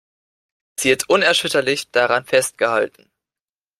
Sie hat unerschütterlich daran festgehalten.